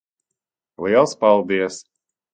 Liels paldies.